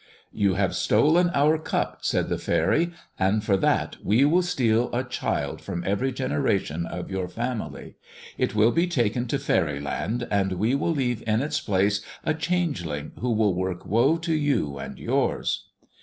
"*You have stolen our cup,' said the faery, 'and for that we will steal a child from every generation of your family. It will be taken to faeryland, and we will leave in its place a changeling who will work woe to you and yours.'